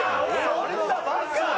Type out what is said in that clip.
そんなバカな！